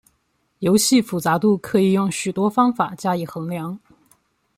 游戏复杂度可以用许多方法加以衡量。